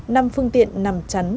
năm phương tiện nằm chắn